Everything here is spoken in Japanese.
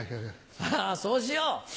ああそうしよう。